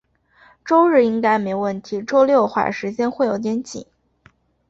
周日应该没问题，周六的话，时间会有点紧。